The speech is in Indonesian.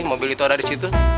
mobil itu ada disitu